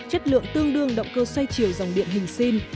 chất lượng tương đương động cơ xoay chiều dòng điện hình xin